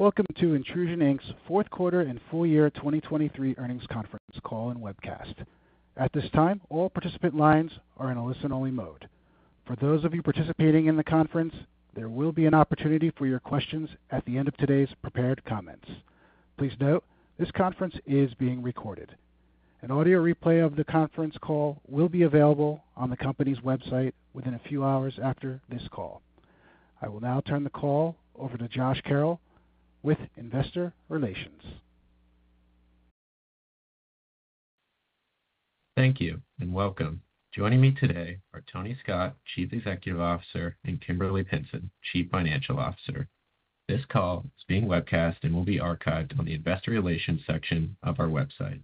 Welcome to Intrusion Inc.'s Fourth Quarter and Full-Year 2023 Earnings Conference Call and Webcast. At this time, all participant lines are in a listen-only mode. For those of you participating in the conference, there will be an opportunity for your questions at the end of today's prepared comments. Please note, this conference is being recorded. An audio replay of the conference call will be available on the company's website within a few hours after this call. I will now turn the call over to Josh Carroll with Investor Relations. Thank you and welcome. Joining me today are Tony Scott, Chief Executive Officer, and Kimberly Pinson, Chief Financial Officer. This call is being webcast and will be archived on the Investor Relations section of our website.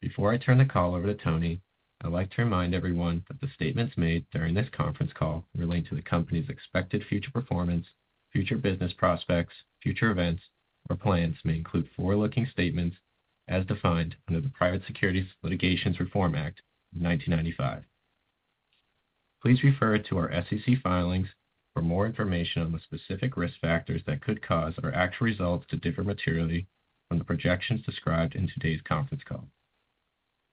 Before I turn the call over to Tony, I'd like to remind everyone that the statements made during this conference call relate to the company's expected future performance, future business prospects, future events, or plans may include forward-looking statements as defined under the Private Securities Litigation Reform Act of 1995. Please refer to our SEC filings for more information on the specific risk factors that could cause our actual results to differ materially from the projections described in today's conference call.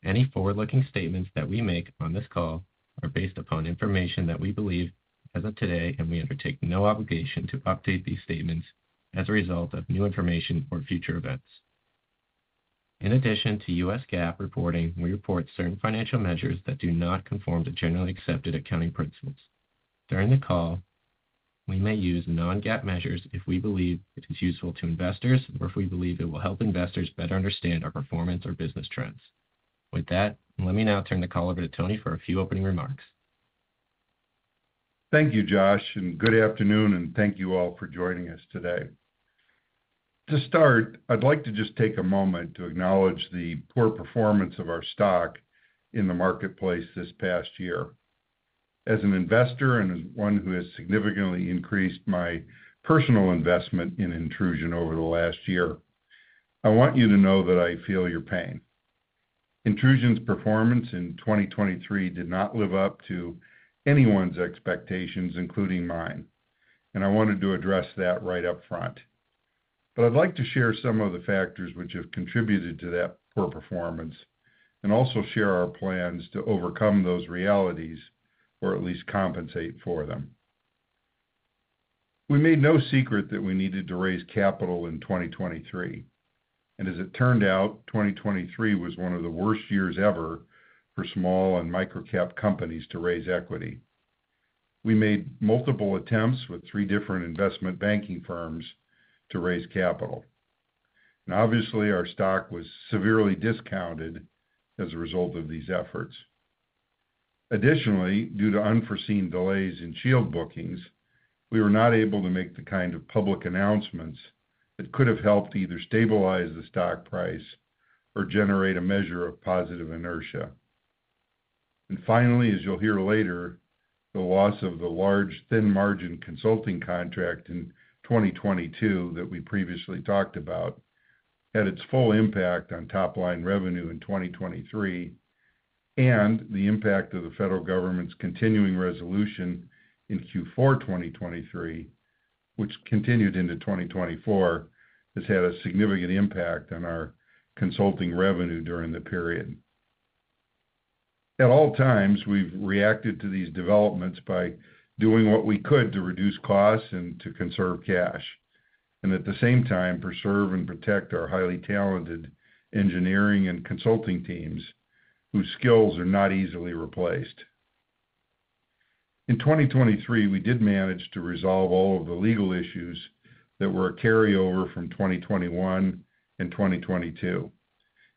Any forward-looking statements that we make on this call are based upon information that we believe as of today, and we undertake no obligation to update these statements as a result of new information or future events. In addition to U.S. GAAP reporting, we report certain financial measures that do not conform to generally accepted accounting principles. During the call, we may use non-GAAP measures if we believe it is useful to investors or if we believe it will help investors better understand our performance or business trends. With that, let me now turn the call over to Tony for a few opening remarks. Thank you, Josh, and good afternoon, and thank you all for joining us today. To start, I'd like to just take a moment to acknowledge the poor performance of our stock in the marketplace this past year. As an investor and as one who has significantly increased my personal investment in Intrusion over the last year, I want you to know that I feel your pain. Intrusion's performance in 2023 did not live up to anyone's expectations, including mine. I wanted to address that right up front. I'd like to share some of the factors which have contributed to that poor performance and also share our plans to overcome those realities or at least compensate for them. We made no secret that we needed to raise capital in 2023. As it turned out, 2023 was one of the worst years ever for small and micro-cap companies to raise equity. We made multiple attempts with three different investment banking firms to raise capital. Obviously, our stock was severely discounted as a result of these efforts. Additionally, due to unforeseen delays in Shield bookings, we were not able to make the kind of public announcements that could have helped either stabilize the stock price or generate a measure of positive inertia. Finally, as you'll hear later, the loss of the large thin margin consulting contract in 2022 that we previously talked about had its full impact on top-line revenue in 2023. The impact of the federal government's Continuing Resolution in Q4 2023, which continued into 2024, has had a significant impact on our consulting revenue during the period. At all times, we've reacted to these developments by doing what we could to reduce costs and to conserve cash. At the same time, preserve and protect our highly talented engineering and consulting teams whose skills are not easily replaced. In 2023, we did manage to resolve all of the legal issues that were a carryover from 2021 and 2022,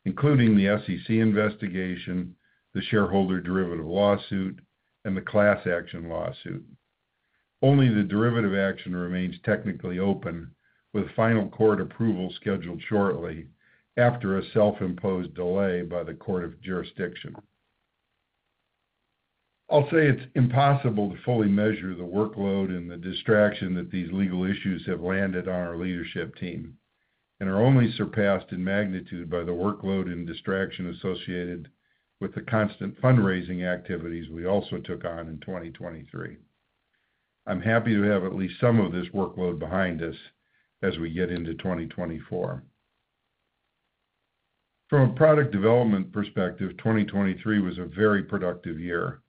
including the SEC investigation, the shareholder derivative lawsuit, and the class action lawsuit. Only the derivative action remains technically open with final court approval scheduled shortly after a self-imposed delay by the court of jurisdiction. I'll say it's impossible to fully measure the workload and the distraction that these legal issues have landed on our leadership team and are only surpassed in magnitude by the workload and distraction associated with the constant fundraising activities we also took on in 2023. I'm happy to have at least some of this workload behind us as we get into 2024. From a product development perspective, 2023 was a very productive year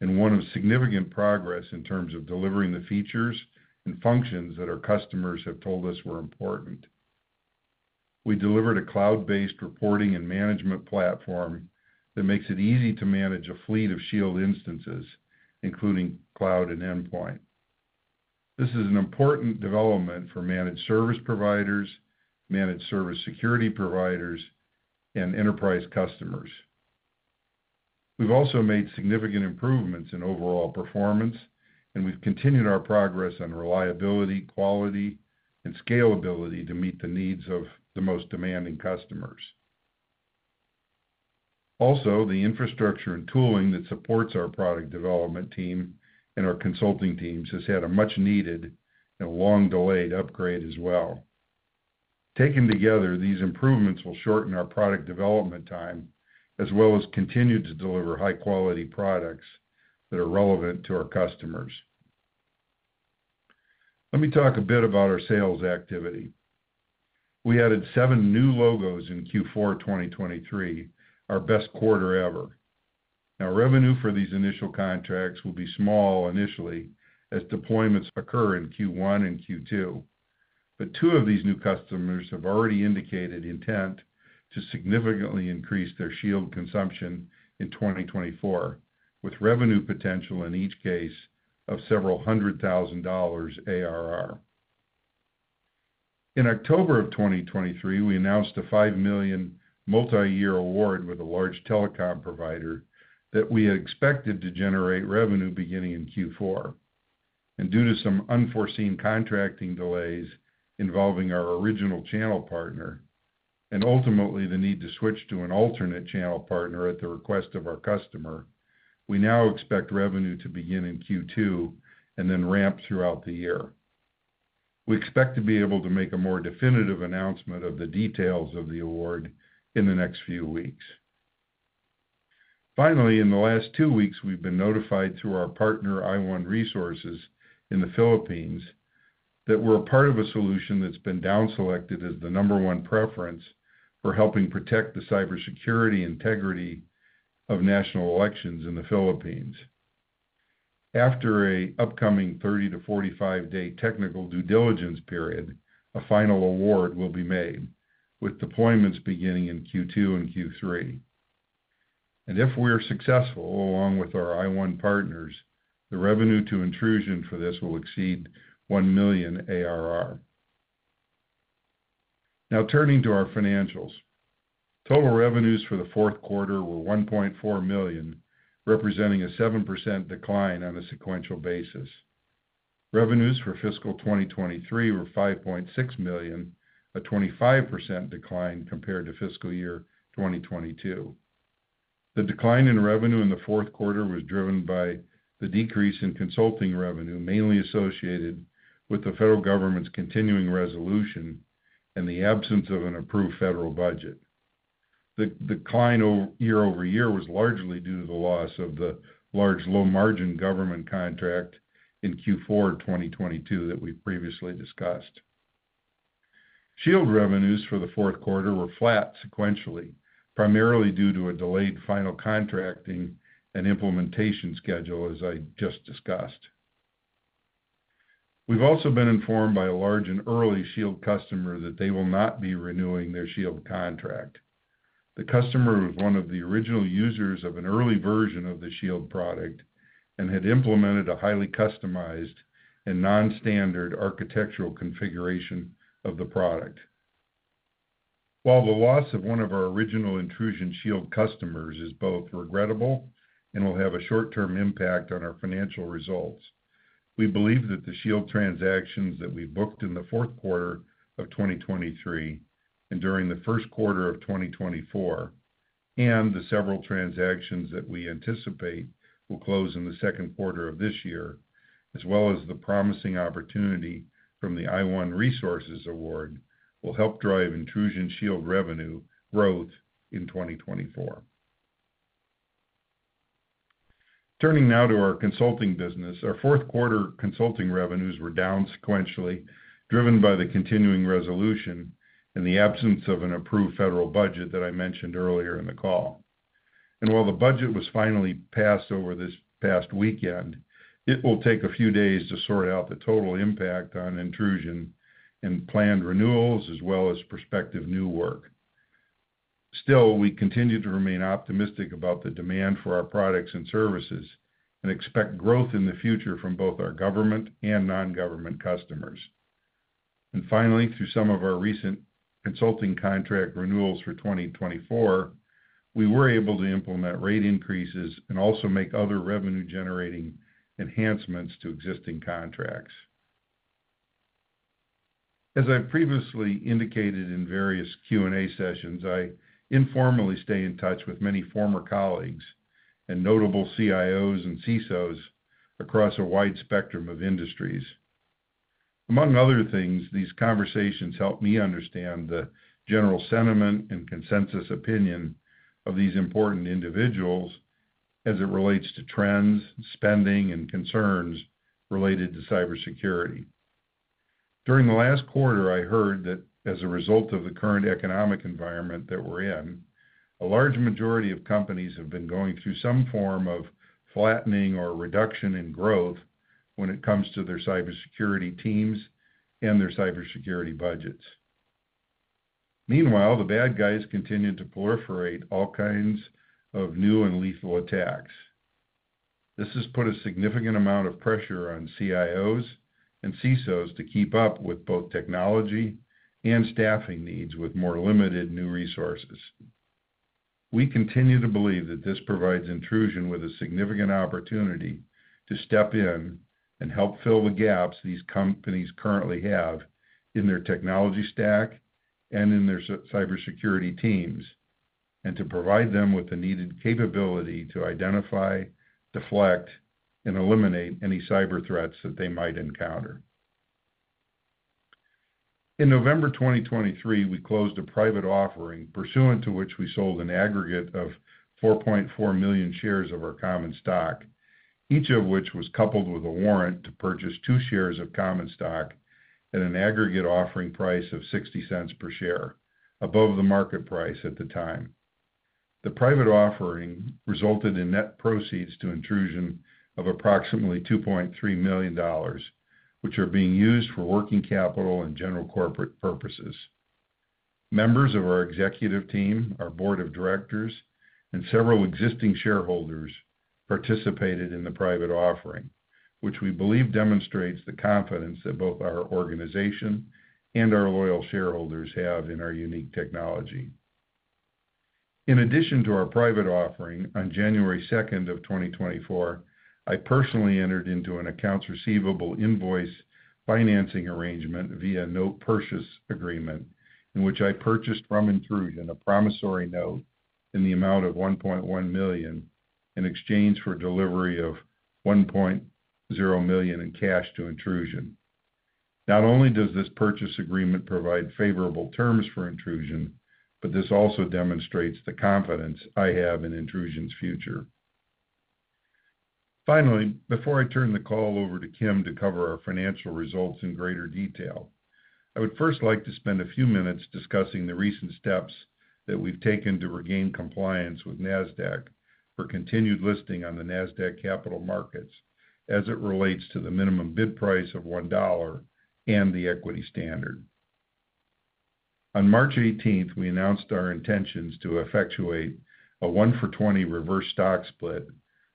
and one of significant progress in terms of delivering the features and functions that our customers have told us were important. We delivered a cloud-based reporting and management platform that makes it easy to manage a fleet of Shield instances, including cloud and endpoint. This is an important development for managed service providers, managed service security providers, and enterprise customers. We've also made significant improvements in overall performance, and we've continued our progress on reliability, quality, and scalability to meet the needs of the most demanding customers. Also, the infrastructure and tooling that supports our product development team and our consulting teams has had a much-needed and long-delayed upgrade as well. Taken together, these improvements will shorten our product development time as well as continue to deliver high-quality products that are relevant to our customers. Let me talk a bit about our sales activity. We added 7 new logos in Q4 2023, our best quarter ever. Now, revenue for these initial contracts will be small initially as deployments occur in Q1 and Q2. But two of these new customers have already indicated intent to significantly increase their Shield consumption in 2024, with revenue potential in each case of several hundred thousand dollars ARR. In October of 2023, we announced a $5 million multi-year award with a large telecom provider that we had expected to generate revenue beginning in Q4. Due to some unforeseen contracting delays involving our original channel partner, and ultimately the need to switch to an alternate channel partner at the request of our customer, we now expect revenue to begin in Q2 and then ramp throughout the year. We expect to be able to make a more definitive announcement of the details of the award in the next few weeks. Finally, in the last two weeks, we've been notified through our partner iOne Resources in the Philippines that we're a part of a solution that's been down selected as the number one preference for helping protect the cybersecurity integrity of national elections in the Philippines. After an upcoming 30-45-day technical due diligence period, a final award will be made, with deployments beginning in Q2 and Q3. If we are successful along with our iOne partners, the revenue to Intrusion for this will exceed $1 million ARR. Now turning to our financials. Total revenues for the fourth quarter were $1.4 million, representing a 7% decline on a sequential basis. Revenues for fiscal 2023 were $5.6 million, a 25% decline compared to fiscal year 2022. The decline in revenue in the fourth quarter was driven by the decrease in consulting revenue mainly associated with the federal government's Continuing Resolution and the absence of an approved federal budget. The decline year-over-year was largely due to the loss of the large low-margin government contract in Q4 2022 that we previously discussed. Shield revenues for the fourth quarter were flat sequentially, primarily due to a delayed final contracting and implementation schedule, as I just discussed. We've also been informed by a large and early Shield customer that they will not be renewing their Shield contract. The customer was one of the original users of an early version of the Shield product and had implemented a highly customized and non-standard architectural configuration of the product. While the loss of one of our original Intrusion Shield customers is both regrettable and will have a short-term impact on our financial results, we believe that the Shield transactions that we booked in the fourth quarter of 2023 and during the first quarter of 2024, and the several transactions that we anticipate will close in the second quarter of this year, as well as the promising opportunity from the iOne Resources award, will help drive Intrusion Shield revenue growth in 2024. Turning now to our consulting business, our fourth quarter consulting revenues were down sequentially, driven by the Continuing Resolution and the absence of an approved federal budget that I mentioned earlier in the call. And while the budget was finally passed over this past weekend, it will take a few days to sort out the total impact on Intrusion and planned renewals as well as prospective new work. Still, we continue to remain optimistic about the demand for our products and services and expect growth in the future from both our government and non-government customers. And finally, through some of our recent consulting contract renewals for 2024, we were able to implement rate increases and also make other revenue-generating enhancements to existing contracts. As I previously indicated in various Q&A sessions, I informally stay in touch with many former colleagues and notable CIOs and CISOs across a wide spectrum of industries. Among other things, these conversations helped me understand the general sentiment and consensus opinion of these important individuals as it relates to trends, spending, and concerns related to cybersecurity. During the last quarter, I heard that as a result of the current economic environment that we're in, a large majority of companies have been going through some form of flattening or reduction in growth when it comes to their cybersecurity teams and their cybersecurity budgets. Meanwhile, the bad guys continue to proliferate all kinds of new and lethal attacks. This has put a significant amount of pressure on CIOs and CISOs to keep up with both technology and staffing needs with more limited new resources. We continue to believe that this provides Intrusion with a significant opportunity to step in and help fill the gaps these companies currently have in their technology stack and in their cybersecurity teams, and to provide them with the needed capability to identify, deflect, and eliminate any cyber threats that they might encounter. In November 2023, we closed a private offering pursuant to which we sold an aggregate of 4.4 million shares of our common stock, each of which was coupled with a warrant to purchase 2 shares of common stock at an aggregate offering price of $0.60 per share, above the market price at the time. The private offering resulted in net proceeds to Intrusion of approximately $2.3 million, which are being used for working capital and general corporate purposes. Members of our executive team, our board of directors, and several existing shareholders participated in the private offering, which we believe demonstrates the confidence that both our organization and our loyal shareholders have in our unique technology. In addition to our private offering on January 2nd of 2024, I personally entered into an accounts receivable invoice financing arrangement via note purchase agreement in which I purchased from Intrusion a promissory note in the amount of $1.1 million in exchange for delivery of $1.0 million in cash to Intrusion. Not only does this purchase agreement provide favorable terms for Intrusion, but this also demonstrates the confidence I have in Intrusion's future. Finally, before I turn the call over to Kim to cover our financial results in greater detail, I would first like to spend a few minutes discussing the recent steps that we've taken to regain compliance with NASDAQ for continued listing on the NASDAQ Capital Markets as it relates to the minimum bid price of $1 and the equity standard. On March 18th, we announced our intentions to effectuate a 1-for-20 reverse stock split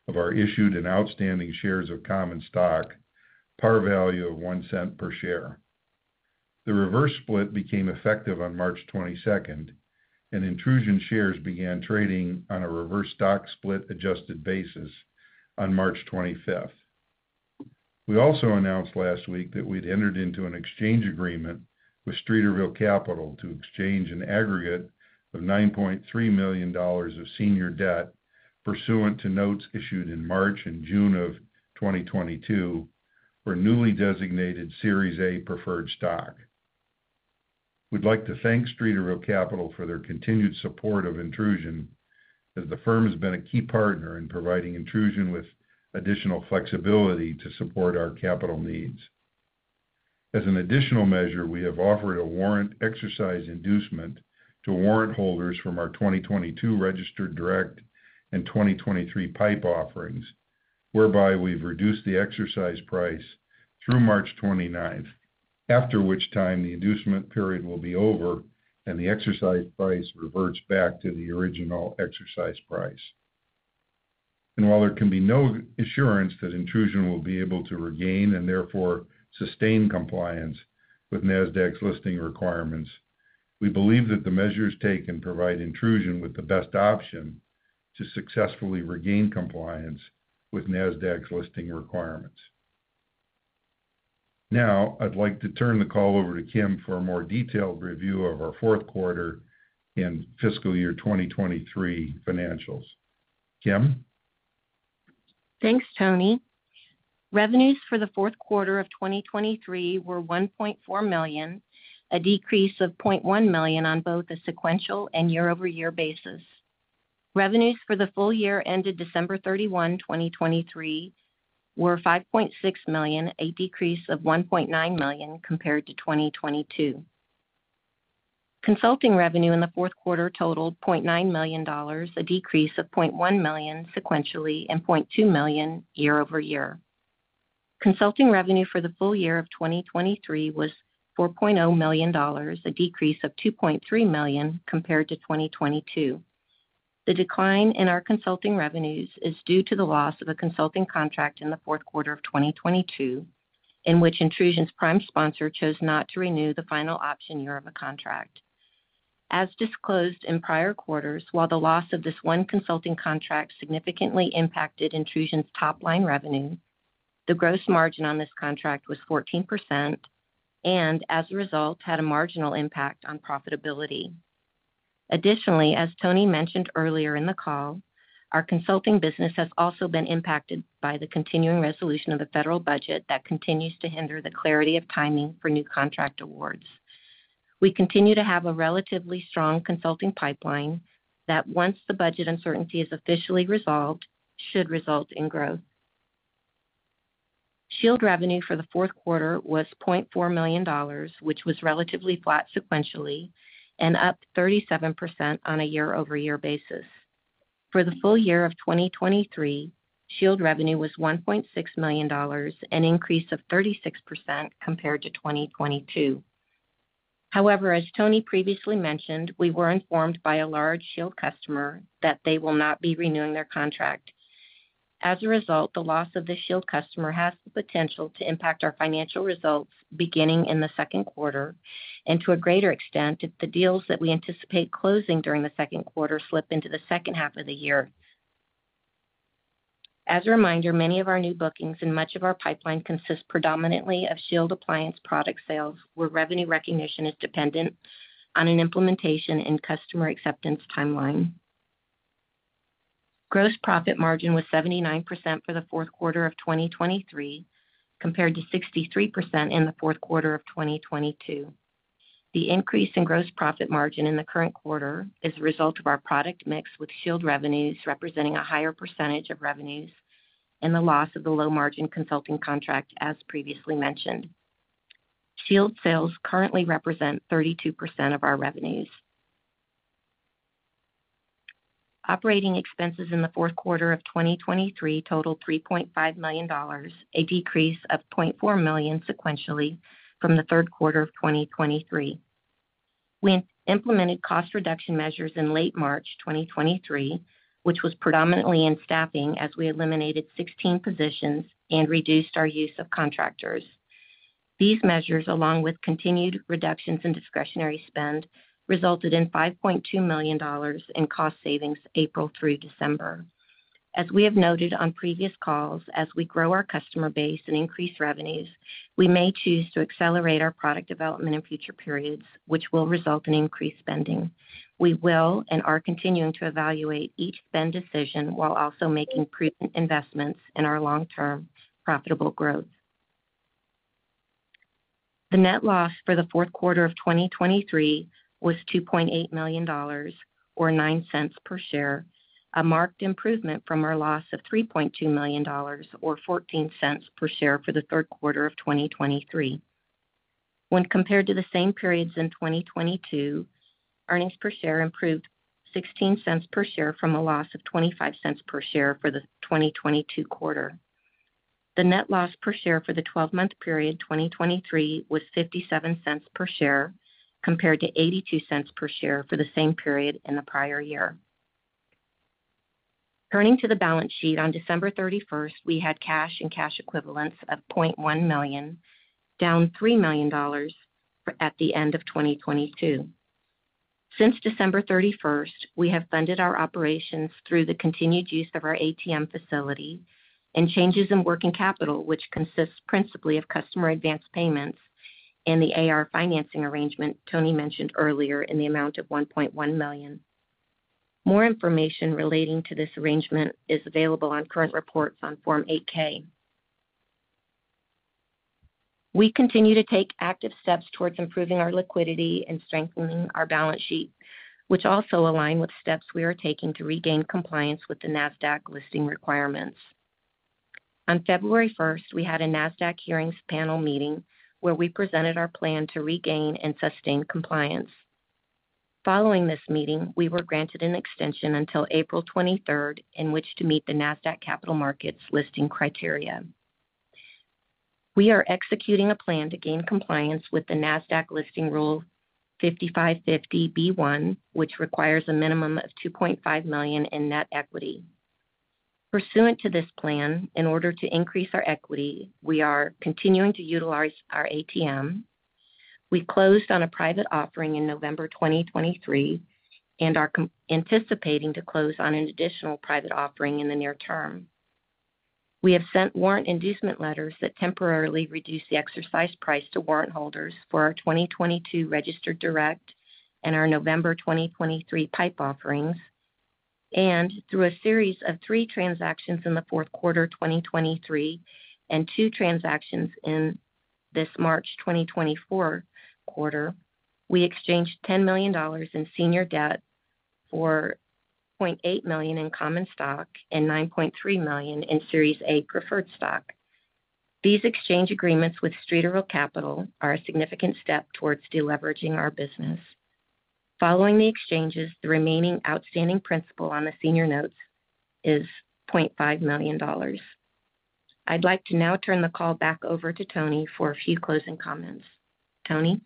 of our issued and outstanding shares of common stock, par value of $0.01 per share. The reverse split became effective on March 22nd, and Intrusion shares began trading on a reverse stock split adjusted basis on March 25th. We also announced last week that we'd entered into an exchange agreement with Streeterville Capital to exchange an aggregate of $9.3 million of senior debt pursuant to notes issued in March and June of 2022 for newly designated Series A Preferred Stock. We'd like to thank Streeterville Capital for their continued support of Intrusion as the firm has been a key partner in providing Intrusion with additional flexibility to support our capital needs. As an additional measure, we have offered a warrant exercise inducement to warrant holders from our 2022 registered direct and 2023 PIPE offerings, whereby we've reduced the exercise price through March 29th, after which time the inducement period will be over and the exercise price reverts back to the original exercise price. While there can be no assurance that Intrusion will be able to regain and therefore sustain compliance with NASDAQ's listing requirements, we believe that the measures taken provide Intrusion with the best option to successfully regain compliance with NASDAQ's listing requirements. Now, I'd like to turn the call over to Kim for a more detailed review of our fourth quarter and fiscal year 2023 financials. Kim? Thanks, Tony. Revenues for the fourth quarter of 2023 were $1.4 million, a decrease of $0.1 million on both a sequential and year-over-year basis. Revenues for the full year ended December 31, 2023, were $5.6 million, a decrease of $1.9 million compared to 2022. Consulting revenue in the fourth quarter totaled $0.9 million, a decrease of $0.1 million sequentially and $0.2 million year-over-year. Consulting revenue for the full year of 2023 was $4.0 million, a decrease of $2.3 million compared to 2022. The decline in our consulting revenues is due to the loss of a consulting contract in the fourth quarter of 2022, in which Intrusion's prime sponsor chose not to renew the final option year of a contract. As disclosed in prior quarters, while the loss of this one consulting contract significantly impacted Intrusion's top line revenue, the gross margin on this contract was 14% and, as a result, had a marginal impact on profitability. Additionally, as Tony mentioned earlier in the call, our consulting business has also been impacted by the Continuing Resolution of the federal budget that continues to hinder the clarity of timing for new contract awards. We continue to have a relatively strong consulting pipeline that, once the budget uncertainty is officially resolved, should result in growth. Shield revenue for the fourth quarter was $0.4 million, which was relatively flat sequentially and up 37% on a year-over-year basis. For the full year of 2023, Shield revenue was $1.6 million, an increase of 36% compared to 2022. However, as Tony previously mentioned, we were informed by a large Shield customer that they will not be renewing their contract. As a result, the loss of this Shield customer has the potential to impact our financial results beginning in the second quarter and, to a greater extent, if the deals that we anticipate closing during the second quarter slip into the second half of the year. As a reminder, many of our new bookings and much of our pipeline consist predominantly of Shield appliance product sales, where revenue recognition is dependent on an implementation and customer acceptance timeline. Gross profit margin was 79% for the fourth quarter of 2023 compared to 63% in the fourth quarter of 2022. The increase in gross profit margin in the current quarter is a result of our product mix with Shield revenues representing a higher percentage of revenues and the loss of the low-margin consulting contract, as previously mentioned. Shield sales currently represent 32% of our revenues. Operating expenses in the fourth quarter of 2023 totaled $3.5 million, a decrease of $0.4 million sequentially from the third quarter of 2023. We implemented cost reduction measures in late March 2023, which was predominantly in staffing as we eliminated 16 positions and reduced our use of contractors. These measures, along with continued reductions in discretionary spend, resulted in $5.2 million in cost savings April through December. As we have noted on previous calls, as we grow our customer base and increase revenues, we may choose to accelerate our product development in future periods, which will result in increased spending. We will and are continuing to evaluate each spend decision while also making prudent investments in our long-term profitable growth. The net loss for the fourth quarter of 2023 was $2.8 million or 9 cents per share, a marked improvement from our loss of $3.2 million or 14 cents per share for the third quarter of 2023. When compared to the same periods in 2022, earnings per share improved 16 cents per share from a loss of 25 cents per share for the 2022 quarter. The net loss per share for the 12-month period 2023 was 57 cents per share compared to 82 cents per share for the same period in the prior year. Turning to the balance sheet, on December 31st, we had cash and cash equivalents of $0.1 million, down $3 million at the end of 2022. Since December 31st, we have funded our operations through the continued use of our ATM facility and changes in working capital, which consists principally of customer advance payments and the AR financing arrangement Tony mentioned earlier in the amount of $1.1 million. More information relating to this arrangement is available on current reports on Form 8-K. We continue to take active steps towards improving our liquidity and strengthening our balance sheet, which also align with steps we are taking to regain compliance with the NASDAQ listing requirements. On February 1st, we had a NASDAQ hearings panel meeting where we presented our plan to regain and sustain compliance. Following this meeting, we were granted an extension until April 23rd in which to meet the NASDAQ Capital Markets listing criteria. We are executing a plan to gain compliance with the NASDAQ listing rule 5550 B1, which requires a minimum of $2.5 million in net equity. Pursuant to this plan, in order to increase our equity, we are continuing to utilize our ATM. We closed on a private offering in November 2023 and are anticipating to close on an additional private offering in the near term. We have sent warrant inducement letters that temporarily reduce the exercise price to warrant holders for our 2022 registered direct and our November 2023 PIPE offerings. And through a series of three transactions in the fourth quarter 2023 and two transactions in this March 2024 quarter, we exchanged $10 million in senior debt for 0.8 million in common stock and 9.3 million in Series A preferred stock. These exchange agreements with Streeterville Capital are a significant step towards deleveraging our business. Following the exchanges, the remaining outstanding principal on the senior notes is $0.5 million. I'd like to now turn the call back over to Tony for a few closing comments. Tony?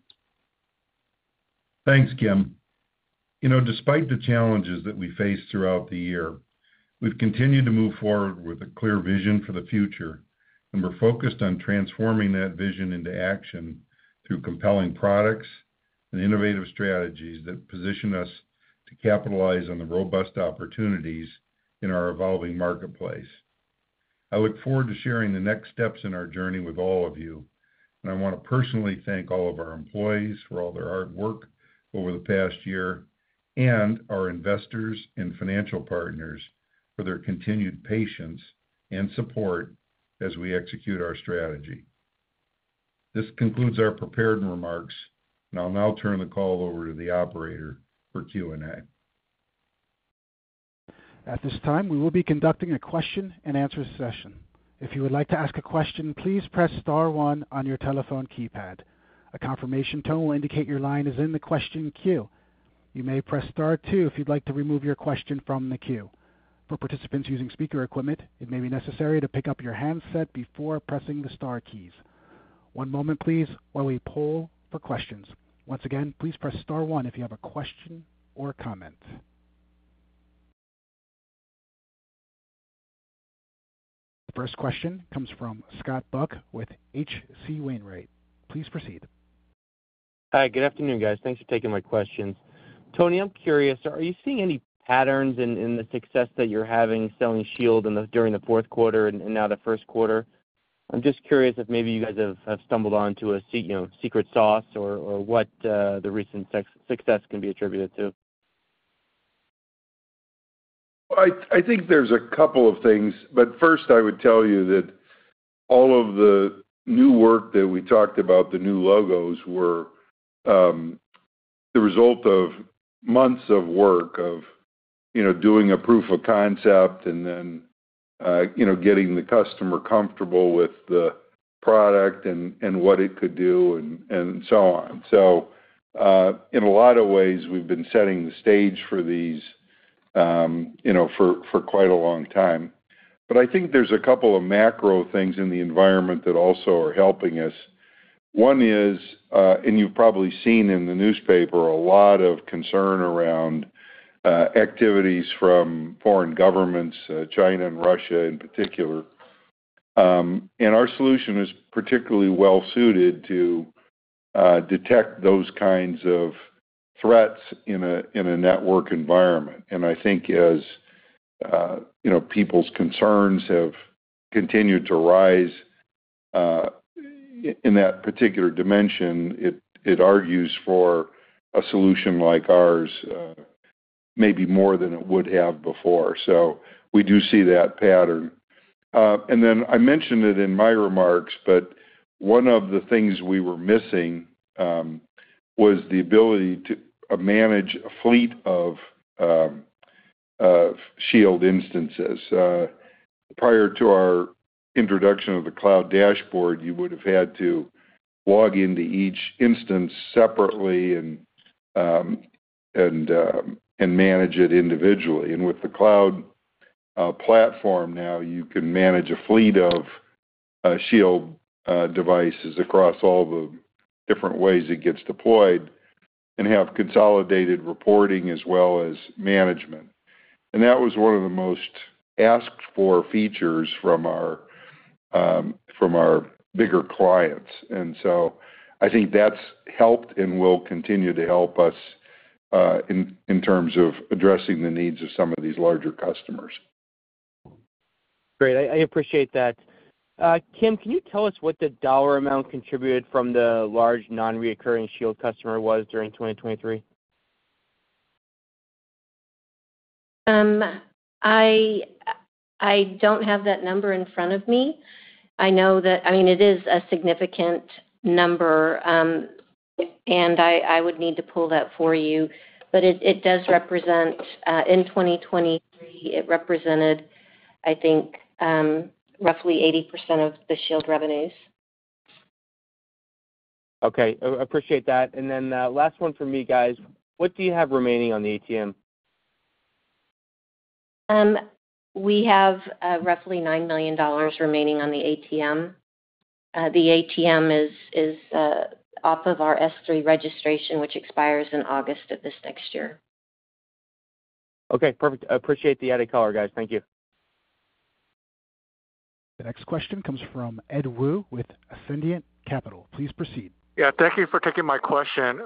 Thanks, Kim. Despite the challenges that we face throughout the year, we've continued to move forward with a clear vision for the future, and we're focused on transforming that vision into action through compelling products and innovative strategies that position us to capitalize on the robust opportunities in our evolving marketplace. I look forward to sharing the next steps in our journey with all of you, and I want to personally thank all of our employees for all their hard work over the past year and our investors and financial partners for their continued patience and support as we execute our strategy. This concludes our prepared remarks, and I'll now turn the call over to the operator for Q&A. At this time, we will be conducting a question and answers session. If you would like to ask a question, please press star one on your telephone keypad. A confirmation tone will indicate your line is in the question queue. You may press star two if you'd like to remove your question from the queue. For participants using speaker equipment, it may be necessary to pick up your handset before pressing the star keys. One moment, please, while we poll for questions. Once again, please press star one if you have a question or comment. First question comes from Scott Buck with H.C. Wainwright. Please proceed. Hi, good afternoon, guys. Thanks for taking my questions. Tony, I'm curious, are you seeing any patterns in the success that you're having selling Shield during the fourth quarter and now the first quarter? I'm just curious if maybe you guys have stumbled onto a secret sauce or what the recent success can be attributed to. I think there's a couple of things, but first I would tell you that all of the new work that we talked about, the new logos, were the result of months of work of doing a proof of concept and then getting the customer comfortable with the product and what it could do and so on. So in a lot of ways, we've been setting the stage for these for quite a long time. But I think there's a couple of macro things in the environment that also are helping us. One is, and you've probably seen in the newspaper, a lot of concern around activities from foreign governments, China and Russia in particular. And our solution is particularly well-suited to detect those kinds of threats in a network environment. I think as people's concerns have continued to rise in that particular dimension, it argues for a solution like ours maybe more than it would have before. We do see that pattern. Then I mentioned it in my remarks, but one of the things we were missing was the ability to manage a fleet of Shield instances. Prior to our introduction of the cloud dashboard, you would have had to log into each instance separately and manage it individually. With the cloud platform now, you can manage a fleet of Shield devices across all the different ways it gets deployed and have consolidated reporting as well as management. That was one of the most asked-for features from our bigger clients. I think that's helped and will continue to help us in terms of addressing the needs of some of these larger customers. Great. I appreciate that. Kim, can you tell us what the dollar amount contributed from the large non-recurring Shield customer was during 2023? I don't have that number in front of me. I mean, it is a significant number, and I would need to pull that for you. But in 2023, it represented, I think, roughly 80% of the Shield revenues. Okay. Appreciate that. And then last one for me, guys. What do you have remaining on the ATM? We have roughly $9 million remaining on the ATM. The ATM is off of our S3 registration, which expires in August of this next year. Okay. Perfect. Appreciate the added color, guys. Thank you. The next question comes from Ed Woo with Ascendiant Capital. Please proceed. Yeah. Thank you for taking my question.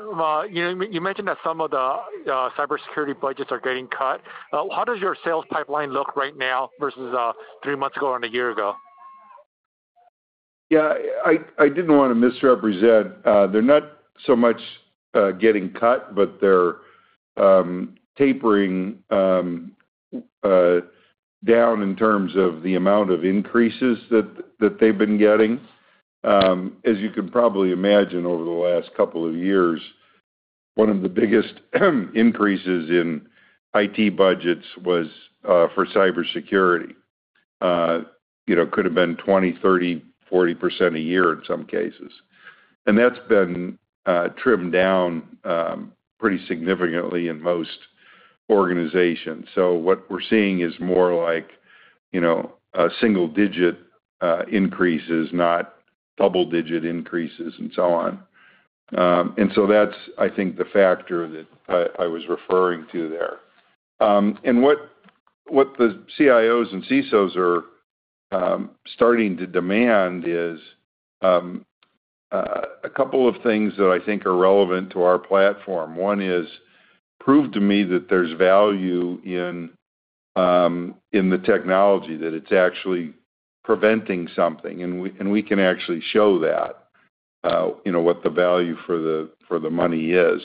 You mentioned that some of the cybersecurity budgets are getting cut. How does your sales pipeline look right now versus three months ago or a year ago? Yeah. I didn't want to misrepresent. They're not so much getting cut, but they're tapering down in terms of the amount of increases that they've been getting. As you can probably imagine, over the last couple of years, one of the biggest increases in IT budgets was for cybersecurity. It could have been 20%, 30%, 40% a year in some cases. And that's been trimmed down pretty significantly in most organizations. So what we're seeing is more like single-digit increases, not double-digit increases, and so on. And so that's, I think, the factor that I was referring to there. And what the CIOs and CISOs are starting to demand is a couple of things that I think are relevant to our platform. One is prove to me that there's value in the technology, that it's actually preventing something. And we can actually show that, what the value for the money is.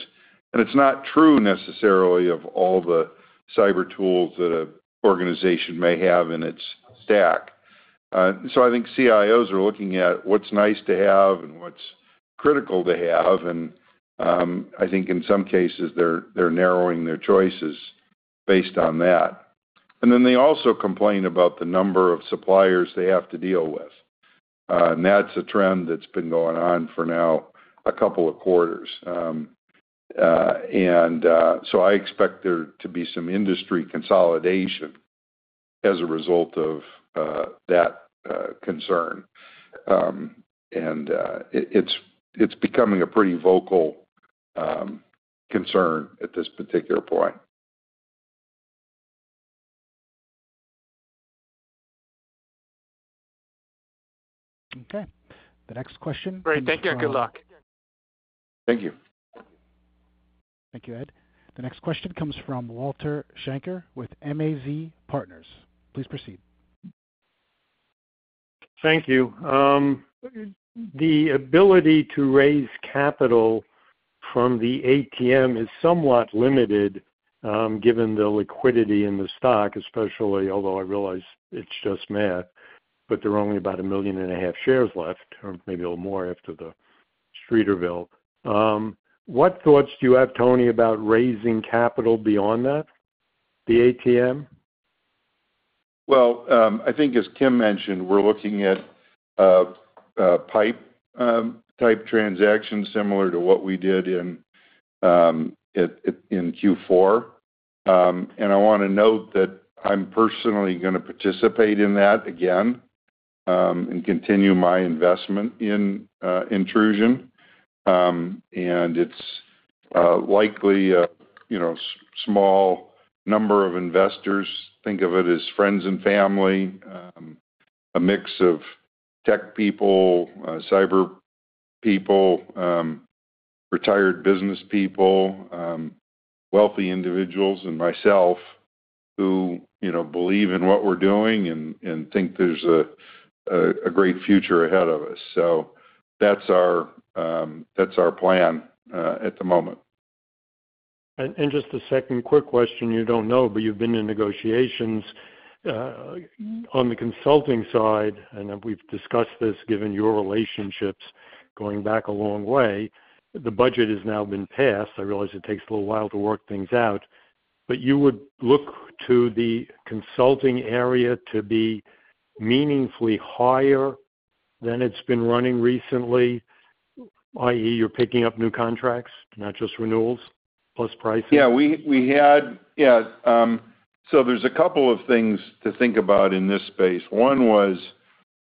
And it's not true necessarily of all the cyber tools that an organization may have in its stack. So I think CIOs are looking at what's nice to have and what's critical to have. And I think in some cases, they're narrowing their choices based on that. And then they also complain about the number of suppliers they have to deal with. And that's a trend that's been going on for now a couple of quarters. And so I expect there to be some industry consolidation as a result of that concern. And it's becoming a pretty vocal concern at this particular point. Okay. The next question. Great. Thank you. Good luck. Thank you. Thank you, Ed. The next question comes from Walter Schenker with MAZ Capital Advisors. Please proceed. Thank you. The ability to raise capital from the ATM is somewhat limited given the liquidity in the stock, especially although I realize it's just math, but there are only about 1.5 million shares left or maybe a little more after the Streeterville. What thoughts do you have, Tony, about raising capital beyond that, the ATM? Well, I think as Kim mentioned, we're looking at PIPE-type transactions similar to what we did in Q4. And I want to note that I'm personally going to participate in that again and continue my investment in Intrusion. And it's likely a small number of investors. Think of it as friends and family, a mix of tech people, cyber people, retired business people, wealthy individuals, and myself who believe in what we're doing and think there's a great future ahead of us. So that's our plan at the moment. Just a second quick question. You don't know, but you've been in negotiations on the consulting side. We've discussed this given your relationships going back a long way. The budget has now been passed. I realize it takes a little while to work things out. But you would look to the consulting area to be meaningfully higher than it's been running recently, i.e., you're picking up new contracts, not just renewals, plus pricing? Yeah. Yeah. So there's a couple of things to think about in this space. One was,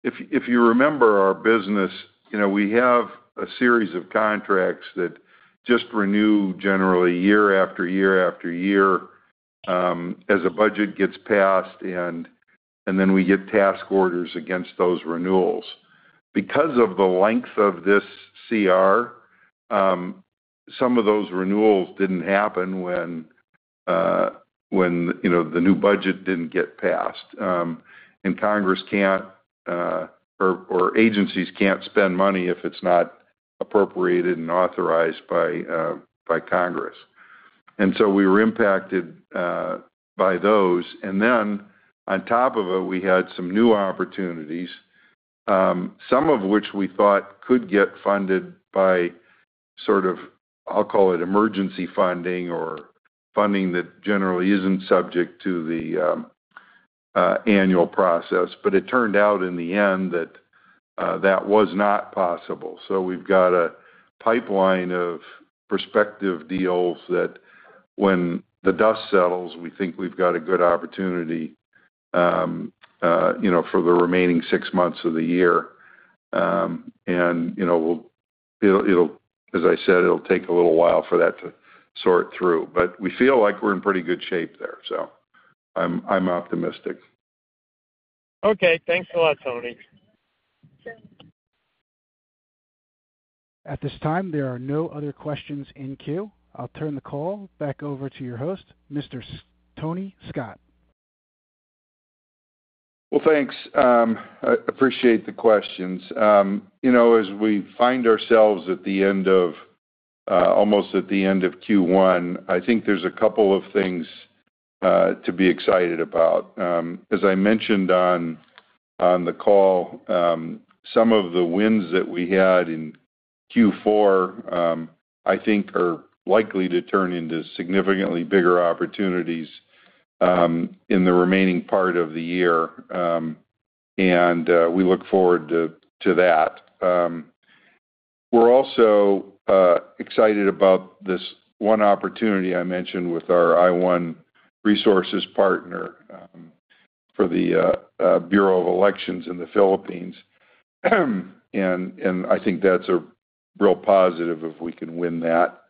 if you remember our business, we have a series of contracts that just renew generally year-afte- year-after-year as a budget gets passed, and then we get task orders against those renewals. Because of the length of this CR, some of those renewals didn't happen when the new budget didn't get passed. And Congress can't, or agencies can't spend money if it's not appropriated and authorized by Congress. And so we were impacted by those. And then on top of it, we had some new opportunities, some of which we thought could get funded by sort of, I'll call it, emergency funding or funding that generally isn't subject to the annual process. But it turned out in the end that that was not possible. So we've got a pipeline of prospective deals that when the dust settles, we think we've got a good opportunity for the remaining six months of the year. And as I said, it'll take a little while for that to sort through. But we feel like we're in pretty good shape there. So I'm optimistic. Okay. Thanks a lot, Tony. At this time, there are no other questions in queue. I'll turn the call back over to your host, Mr. Tony Scott. Well, thanks. I appreciate the questions. As we find ourselves almost at the end of Q1, I think there's a couple of things to be excited about. As I mentioned on the call, some of the wins that we had in Q4, I think, are likely to turn into significantly bigger opportunities in the remaining part of the year. And we look forward to that. We're also excited about this one opportunity I mentioned with our iOne Resources partner for the Commission on Elections in the Philippines. And I think that's a real positive if we can win that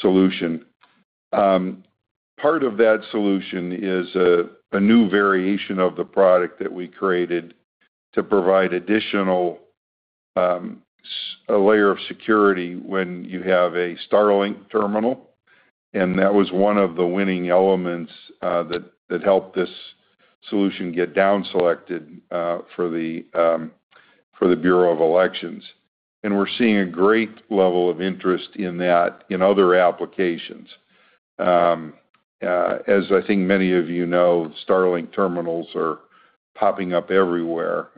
solution. Part of that solution is a new variation of the product that we created to provide an additional layer of security when you have a Starlink terminal. And that was one of the winning elements that helped this solution get down selected for the Commission on Elections. We're seeing a great level of interest in that in other applications. As I think many of you know, Starlink terminals are popping up everywhere.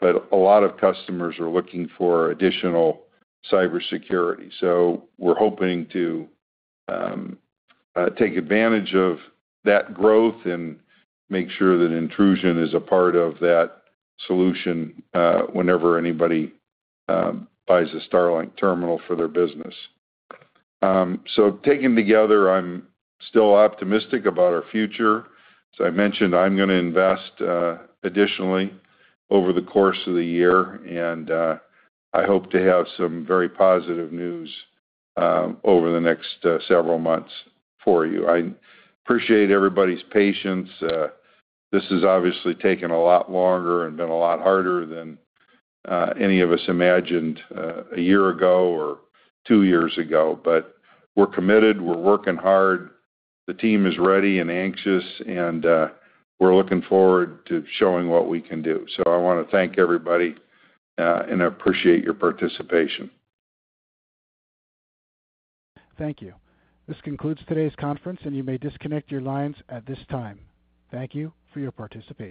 But a lot of customers are looking for additional cybersecurity. So we're hoping to take advantage of that growth and make sure that Intrusion is a part of that solution whenever anybody buys a Starlink terminal for their business. So taken together, I'm still optimistic about our future. As I mentioned, I'm going to invest additionally over the course of the year. I hope to have some very positive news over the next several months for you. I appreciate everybody's patience. This has obviously taken a lot longer and been a lot harder than any of us imagined a year ago or two years ago. But we're committed. We're working hard. The team is ready and anxious. We're looking forward to showing what we can do. I want to thank everybody and appreciate your participation. Thank you. This concludes today's conference, and you may disconnect your lines at this time. Thank you for your participation.